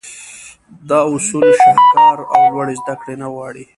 دا اصول شهکار او لوړې زدهکړې نه غواړي.